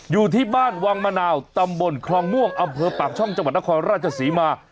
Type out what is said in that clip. อยู่ที่บ้านวังมะนาวตำบลคลองม่วงอำเภอปากช่องจังหวัดนครราชศรีมา